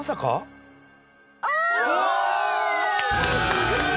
すげえ！